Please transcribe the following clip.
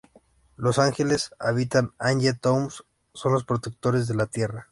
Los ángeles habitan "Angie Town", son los protectores de la Tierra.